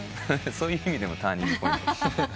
そういう意味でもターニングポイント。